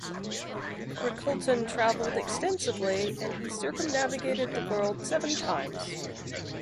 Ricalton travelled extensively and he circumnavigated the world seven times.